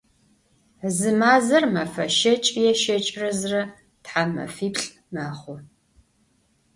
Зы мазэр мэфэ щэкӏ е щэкӏырэ зырэ, тхьэмэфиплӏ мэхъу.